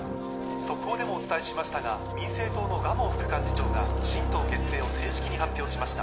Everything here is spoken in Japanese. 速報でもお伝えしましたが民政党の蒲生副幹事長が新党結成を正式に発表しました